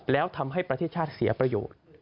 แล้วทำให้ประเทศชาติเสียประโยชน์